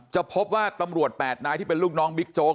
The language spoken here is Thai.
จะพบว่าตำรวจ๘นายที่เป็นลูกน้องบิ๊กโจ๊ก